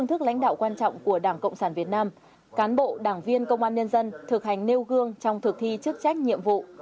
tạo quan trọng của đảng cộng sản việt nam cán bộ đảng viên công an nhân dân thực hành nêu gương trong thực thi chức trách nhiệm vụ